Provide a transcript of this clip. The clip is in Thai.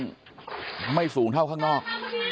ซึ่งข้างในก็ยังไม่สูงเท่าข้างนอก